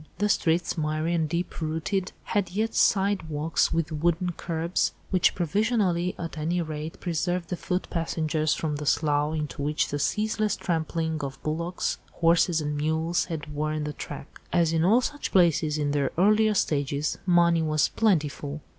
The streets, miry and deep rutted, had yet side walks with wooden curbs, which provisionally, at any rate, preserved the foot passengers from the slough into which the ceaseless trampling of bullocks, horses and mules had worn the track. As in all such places in their earlier stages, money was plentiful.